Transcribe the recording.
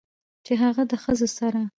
چې هغه د ښځو سره